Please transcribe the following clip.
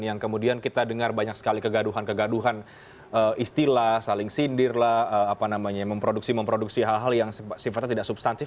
yang kemudian kita dengar banyak sekali kegaduhan kegaduhan istilah saling sindirlah memproduksi hal hal yang sifatnya tidak substantif